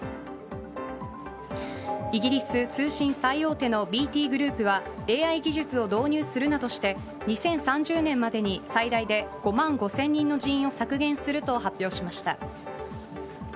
イギリス通信最大手のＢＴグループはＡＩ技術を導入するなどして２０３０年までに最大で５万５０００人の人員を削減すると発表しました。